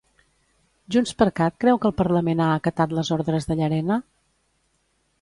JxCat creu que el Parlament ha acatat les ordres de Llarena?